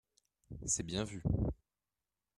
C’est bien vu